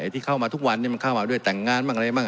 ที่เข้ามาทุกวันนี้มันเข้ามาด้วยแต่งงานบ้างอะไรบ้าง